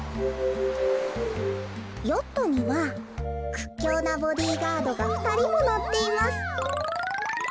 「ヨットにはくっきょうなボディーガードがふたりものっています」。